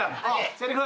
せりふ。